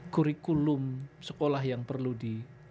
kurikulum sekolah yang perlu di